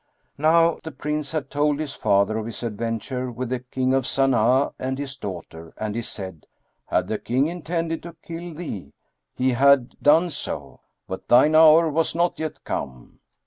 Not the Prince had told his father of his adventure with the King of Sana'a and his daughter and he said, "Had the King intended to kill thee, he had done so; but thine hour was not yet come."